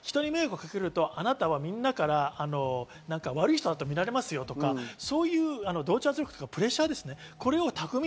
人に迷惑をかけると、あなたはみんなから悪い人だと見られますよとか、そういうプレッシャーです。